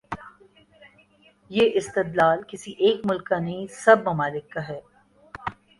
یہ استدلال کسی ایک ملک کا نہیں، سب ممالک کا ہے۔